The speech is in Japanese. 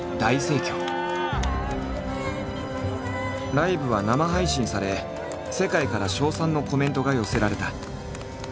ライブは生配信され世界から称賛のコメントが寄せられた。